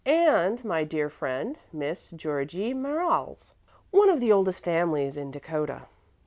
And my dear friend Miss Georgie Merriles, one of the oldest families in Dakota.